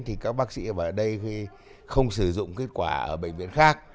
thì các bác sĩ ở đây huy không sử dụng kết quả ở bệnh viện khác